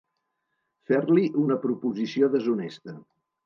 Fer-li una proposició deshonesta.